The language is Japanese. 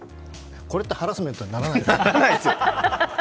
これってハラスメントにならないんですか？